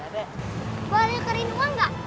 boleh kerinduan gak